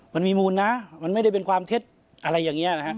มันมีมูลนะมันไม่ได้เป็นความเท็จอะไรอย่างนี้นะฮะ